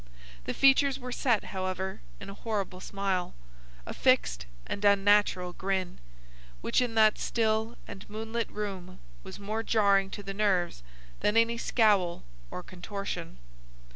The features were set, however, in a horrible smile, a fixed and unnatural grin, which in that still and moonlit room was more jarring to the nerves than any scowl or contortion.